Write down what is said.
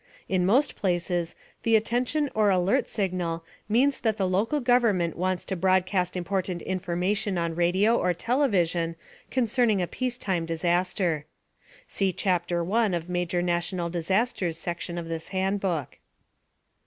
In most places, the Attention or Alert Signal means that the local government wants to broadcast important information on radio or television concerning a peacetime disaster. (See Chapter 1 of Major Natural Disasters section of this handbook.)